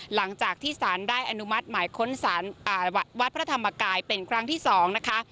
หลังจากที่สารได้อนุมัติหมายค้นวัดพระธรรมกายเป็นครั้งที่๒นะคะ